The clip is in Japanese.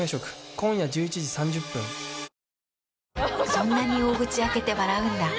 そんなに大口開けて笑うんだ。